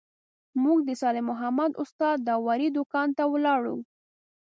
موږ د صالح محمد استاد داوري دوکان ته ولاړو.